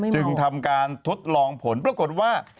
จึงทำการทดลองผลปรากฏว่า